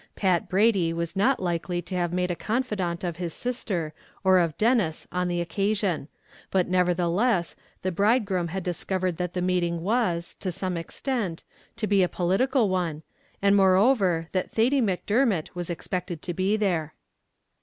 Pat Brady was not likely to have made a confidant of his sister or of Denis on the occasion; but nevertheless, the bridegroom had discovered that the meeting was, to some extent, to be a political one, and moreover, that Thady Macdermot was expected to be there.